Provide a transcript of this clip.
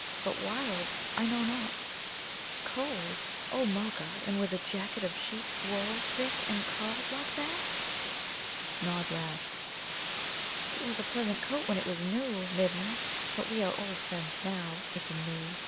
But 'wild' I know not." "'Cold,' O Mulgar, and with a jacket of sheep's wool, thick and curled, like that?" Nod laughed. "It was a pleasant coat when it was new, Midden, but we are old friends now it and me.